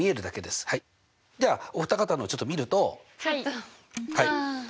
ではお二方のをちょっと見るとはい蒼澄さん。